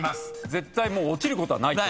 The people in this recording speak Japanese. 絶対もう落ちることはない。